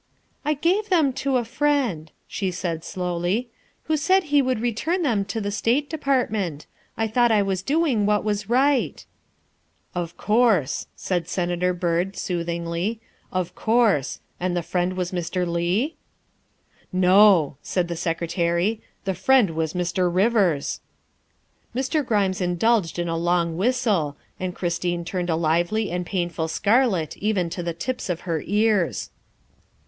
" I gave them to a friend," she said slowly, " who said he would return them to the State Department. I thought I was doing what was right." THE SECRETARY OF STATE 335 " Of course," said Senator Byrd soothingly, " of course. And the friend was Mr. Leigh?" " No," said the Secretary, " the friend was Mr. Rivers." Mr. Grimes indulged in a long whistle, and Christine turned a lively and painful scarlet even to the tips of her ears.